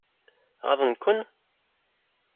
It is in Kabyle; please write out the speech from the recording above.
Ɣaḍen-ken?